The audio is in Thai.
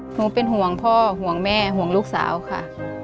หนูเป็นห่วงพ่อห่วงแม่ห่วงลูกสาวค่ะ